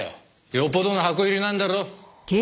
よっぽどの箱入りなんだろ。